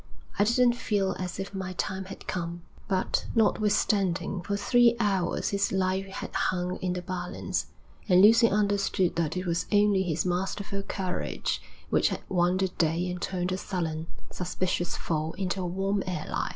I didn't feel as if my time had come.' But, notwithstanding, for three hours his life had hung in the balance; and Lucy understood that it was only his masterful courage which had won the day and turned a sullen, suspicious foe into a warm ally.